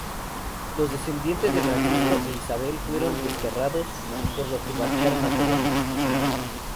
Los descendientes de Francisco e Isabel fueron desterrados, por lo que marcharon a Polonia.